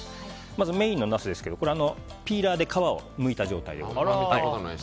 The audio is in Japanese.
まず、メインのナスですけどピーラーで皮をむいた状態です。